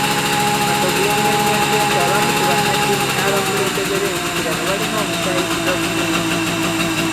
Matovu yannyonnyodde nti abamu ku bannaddiini n'abakulembeze b'ensikirano balina obukyayi ku gavumenti.